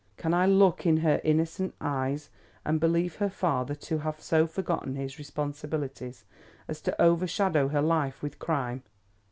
Can I look in her innocent eyes and believe her father to have so forgotten his responsibilities as to overshadow her life with crime?